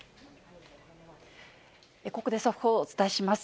ここで速報をお伝えします。